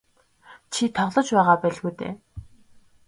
Чи тоглож байгаа байлгүй дээ.